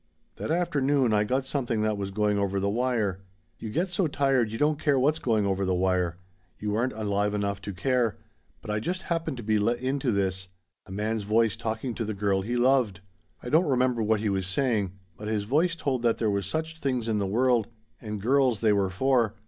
"That afternoon I got something that was going over the wire. You get so tired you don't care what's going over the wire you aren't alive enough to care but I just happened to be let in to this a man's voice talking to the girl he loved. I don't remember what he was saying, but his voice told that there were such things in the world and girls they were for.